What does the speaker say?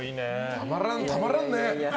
たまらん、たまらんね。